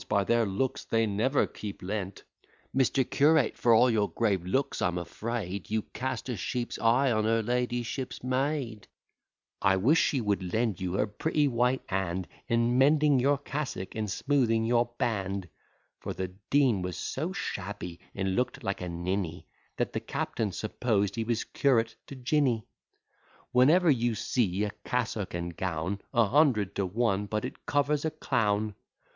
by their looks, they never keep Lent: Mister curate, for all your grave looks, I'm afraid You cast a sheep's eye on her ladyship's maid: I wish she would lend you her pretty white hand In mending your cassock, and smoothing your band: (For the Dean was so shabby, and look'd like a ninny, That the captain supposed he was curate to Jinny.) 'Whenever you see a cassock and gown, A hundred to one but it covers a clown.